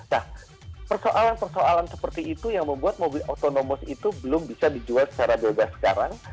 nah persoalan persoalan seperti itu yang membuat mobil otonomous itu belum bisa dijual secara bebas sekarang